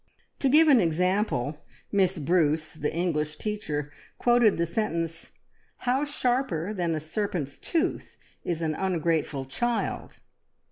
To give an example Miss Bruce, the English teacher, quoted the sentence, "How sharper than a serpent's tooth is an ungrateful child!"